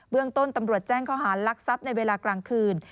เรื่องต้นตำรวจแจ้งข้อหารลักทรัพย์ในเวลากลางคืน